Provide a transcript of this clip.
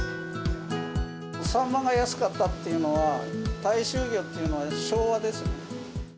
サンマが安かったっていうのは、大衆魚っていうのは昭和ですね。